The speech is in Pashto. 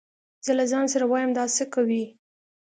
زه له ځان سره وايم دا څه کوي.